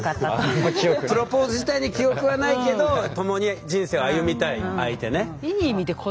プロポーズ自体に記憶はないけど共に人生を歩みたい相手ね。